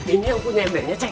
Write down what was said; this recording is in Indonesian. ini yang punya embernya ceng